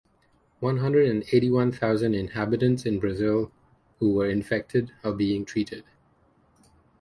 One hundred and eighty-one thousand inhabitants in Brazil who were infected are being treated.